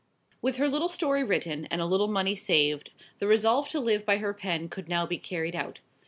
With her little story written and a little money saved, the resolve to live by her pen could now be carried out.